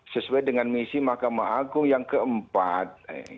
sesuai dengan misi mahkamah agung yang keempat